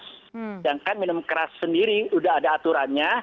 sedangkan minum keras sendiri sudah ada aturannya